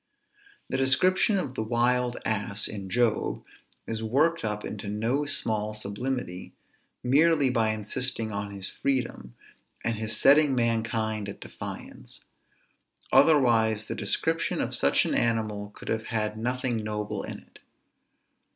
The description of the wild ass, in Job, is worked up into no small sublimity, merely by insisting on his freedom, and his setting mankind at defiance; otherwise the description of such an animal could have had nothing noble in it.